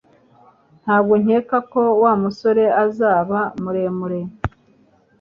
Ntabwo nkeka ko Wa musore azaba muremure